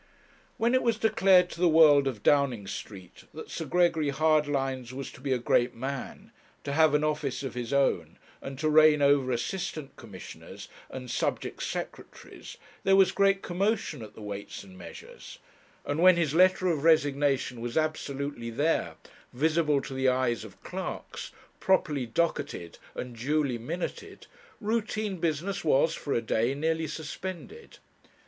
When it was declared to the world of Downing Street that Sir Gregory Hardlines was to be a great man, to have an office of his own, and to reign over assistant commissioners and subject secretaries, there was great commotion at the Weights and Measures; and when his letter of resignation was absolutely there, visible to the eyes of clerks, properly docketed and duly minuted, routine business was, for a day, nearly suspended.